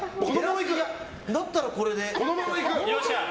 だったらこれで。